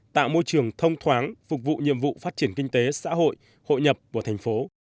tạo môi trường thông thoáng phục vụ nhiệm vụ phát triển kinh tế xã hội hội nhập của thành phố